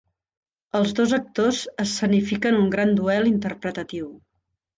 Els dos actors escenifiquen un gran duel interpretatiu.